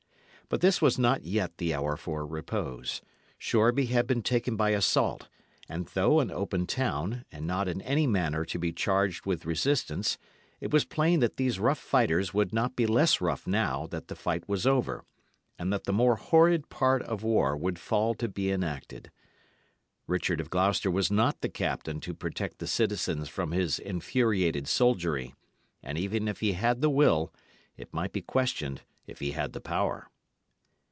But this was not yet the hour for repose. Shoreby had been taken by assault; and though an open town, and not in any manner to be charged with the resistance, it was plain that these rough fighters would be not less rough now that the fight was over, and that the more horrid part of war would fall to be enacted. Richard of Gloucester was not the captain to protect the citizens from his infuriated soldiery; and even if he had the will, it might be questioned if he had the power.